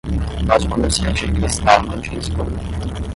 Mas o comerciante de cristal não tinha escolha.